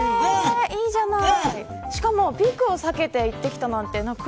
いいじゃない。